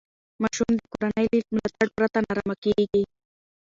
ماشوم د کورنۍ له ملاتړ پرته نارامه کېږي.